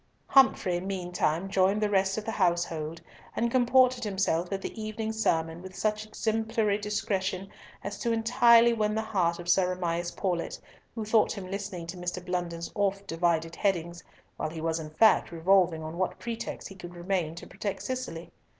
Humfrey meantime joined the rest of the household, and comported himself at the evening sermon with such exemplary discretion as entirely to win the heart of Sir Amias Paulett, who thought him listening to Mr. Blunden's oft divided headings, while he was in fact revolving on what pretext he could remain to protect Cicely.